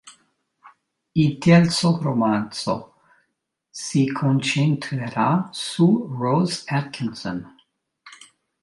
Il terzo romanzo si concentrerà su Rose Atkinson.